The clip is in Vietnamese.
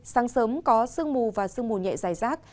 sáng sớm có sương mù và sương mù nhẹ dài rác